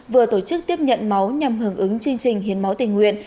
vừa tổ chức tiếp nhận máu nhằm hưởng ứng chương trình hiến máu tình nguyện